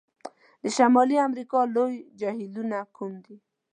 د شمالي امریکا لوی جهیلونو کوم دي؟